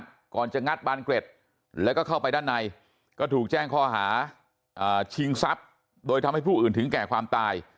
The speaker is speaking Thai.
ก่อนจะงัดบานเกร็ดแล้วก็เข้าไปด้านในก็ถูกแจ้งข้อหาชิงทรัพย์โดยทำให้ผู้อื่นถึงแก่ความตาย